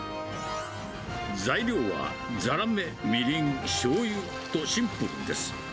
材料は、ザラメ、みりん、しょうゆとシンプルです。